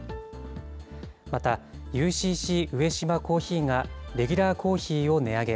また、ＵＣＣ上島珈琲が、レギュラーコーヒーを値上げ。